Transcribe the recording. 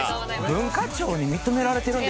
「文化庁に認められてるんですか！？」